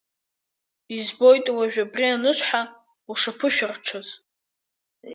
Избоит уажә абри анысҳәа, ушааԥышәырччаз.